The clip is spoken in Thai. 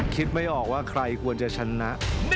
ไม่ออกว่าใครควรจะชนะ